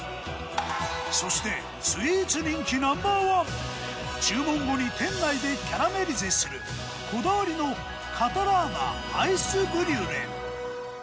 そしてスイーツ人気ナンバー１注文後に店内でキャラメリゼするこだわりのカタラーナアイスブリュレ。